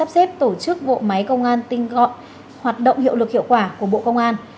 gọi hoạt động hiệu lực hiệu quả của bộ công an